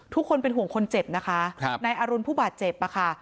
ทุกคนเป็นห่วงคนเจ็บนะคะนายอรุณผู้บาดเจ็บค่ะ